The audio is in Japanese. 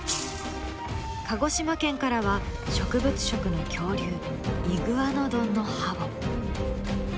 鹿児島県からは植物食の恐竜イグアノドンの歯を。